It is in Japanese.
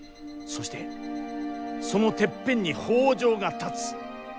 そしてそのてっぺんに北条が立つ。